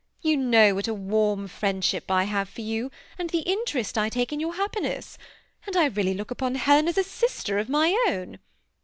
You know what a warm friendship I have for you, and the interest I take in your happiness ; and I really look upon Helen as a sister of my own.